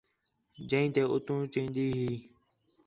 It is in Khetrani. جئیں تے اُتّوں چیندی ہِے